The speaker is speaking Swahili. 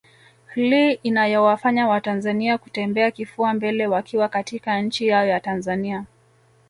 Hli inayowafanya watanzania kutembea kifua mbele wakiwa katika nchi yao ya Tanzania